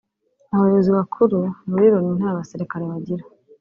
Abayobozi bakuru muri Loni nta basirikare bagira